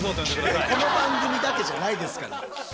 この番組だけじゃないですから。